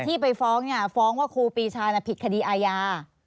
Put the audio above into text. แต่ที่ไปฟ้องฟ้องว่าครูปีชาน่ะผิดคดีอาญา